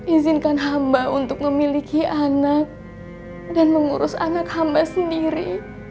izinkan hamba untuk memiliki anak dan mengurus anak hamba sendiri